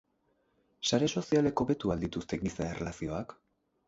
Sare sozialek hobetu al dituzte giza erlazioak?